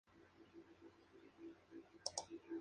Allí lo apodan cariñosamente "Matador".